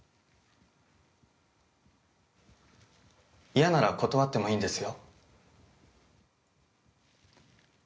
嫌なら断ってもいいんですよ。